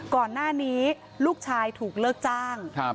ก่อนหน้านี้ลูกชายถูกเลิกจ้าง